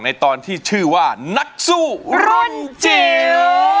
ตอนที่ชื่อว่านักสู้รุ่นจิ๋ว